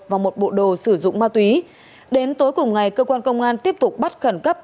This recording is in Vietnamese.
và một bộ đồ sử dụng ma túy đến tối cùng ngày cơ quan công an tiếp tục bắt khẩn cấp